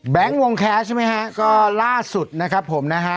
วงแคสใช่ไหมฮะก็ล่าสุดนะครับผมนะฮะ